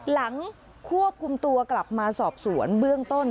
หลังควบคุมตัวกลับมาสอบสวนเบื้องต้น